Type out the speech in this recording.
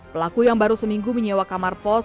pelaku yang baru seminggu menyewa kamar pos